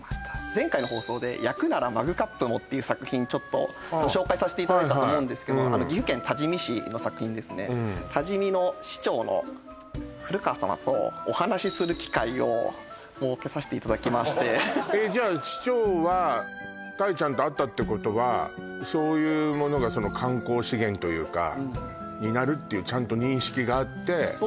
前回の放送で「やくならマグカップも」っていう作品ちょっとご紹介させていただいたと思うんですけど岐阜県多治見市の作品ですねうんお話しする機会を設けさせていただきましてえっじゃ市長は鯛ちゃんと会ったってことはそういうものが観光資源というかになるっていうちゃんと認識があってそうですね